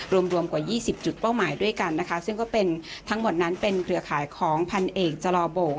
รวมรวมกว่า๒๐จุดเป้าหมายด้วยกันนะคะซึ่งก็เป็นทั้งหมดนั้นเป็นเครือข่ายของพันเอกจลอโบ